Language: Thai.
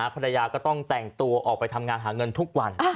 ภรรยาก็ต้องแต่งตัวออกไปทำงานหาเงินทุกวัน